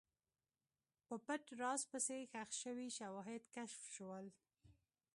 په پټ راز پسې، ښخ شوي شواهد کشف شول.